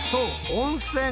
温泉！